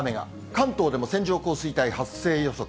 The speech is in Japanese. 関東でも線状降水帯発生予測。